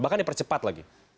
bahkan dipercepat lagi